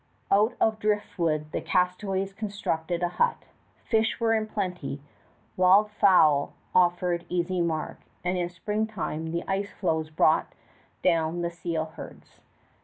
Out of driftwood the castaways constructed a hut. Fish were in plenty, wild fowl offered easy mark, and in springtime the ice floes brought down the seal herds.